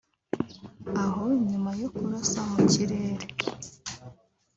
aho nyuma yo kurasa mu kirere